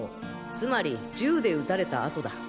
つまり銃で撃たれた痕だ。